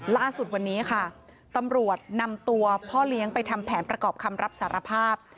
ล่าสุดวันนี้ค่ะตำรวจนำตัวพ่อเลี้ยงไปทำแผนประกอบคำรับสารภาพ